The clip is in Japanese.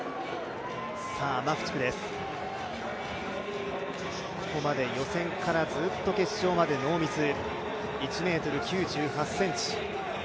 マフチクです、ここまで予選からずっと決勝までノーミス。